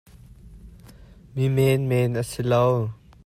Mi menmen a si lo.